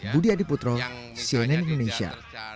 budi adiputro cnn indonesia